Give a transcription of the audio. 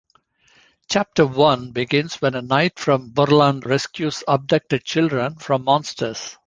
Chapter One begins when a knight from Burland rescues abducted children from monsters.